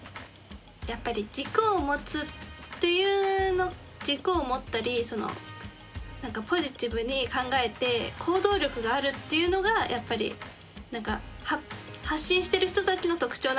やっぱり軸を持つっていうの軸を持ったりポジティブに考えて行動力があるっていうのがやっぱり発信してる人たちの特徴なのかなとは思いました。